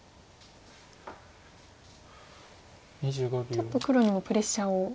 ちょっと黒にもプレッシャーを。